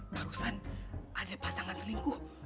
barusan ada pasangan selingkuh